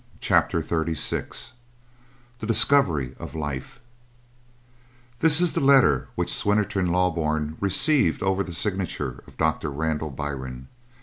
CHAPTER XXXVI THE DISCOVERY OF LIFE This is the letter which Swinnerton Loughburne received over the signature of Doctor Randall Byrne.